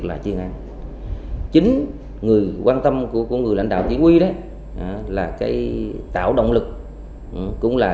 là chuyên án chính người quan tâm của con người lãnh đạo chỉ huy đấy là cái tạo động lực cũng là